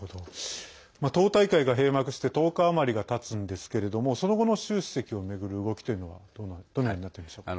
党大会が閉幕して１０日余りがたつんですけれどもその後の習主席を巡る動きというのは、どのようになっているんでしょうか？